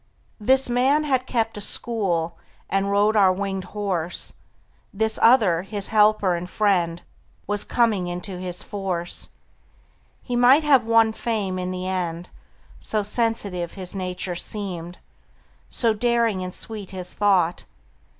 This man had kept a school And rode our winged horse. This other his helper and friend Was coming into his force; He might have won fame in the end, So sensitive his nature seemed, So daring and sweet his thought.